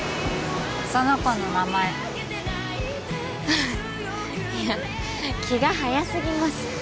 その子の名前あっいや気が早すぎます